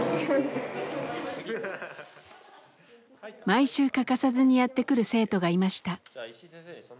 毎週欠かさずにやって来る生徒がいました。